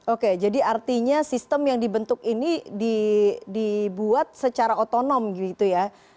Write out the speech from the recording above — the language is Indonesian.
oke jadi artinya sistem yang dibentuk ini dibuat secara otonom gitu ya